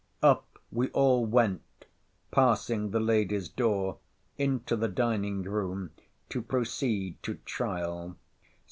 Up we all went, passing the lady's door into the dining room, to proceed to trial.